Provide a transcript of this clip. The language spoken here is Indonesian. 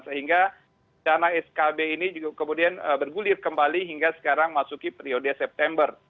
sehingga dana skb ini juga kemudian bergulir kembali hingga sekarang masuki periode september